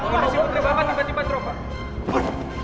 petri bapak tiba tiba terlupa